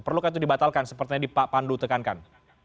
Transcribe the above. perlukan itu dibatalkan sepertinya dipandu tekankan